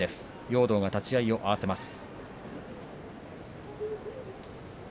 容堂が立ち合いを合わせます。